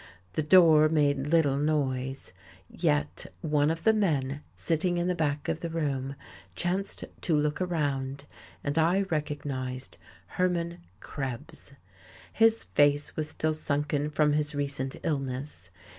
The door made little noise, yet one of the men sitting in the back of the room chanced to look around, and I recognized Hermann Krebs. His face was still sunken from his recent illness.